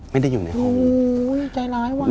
ไม่ได้อยู่ในห้อง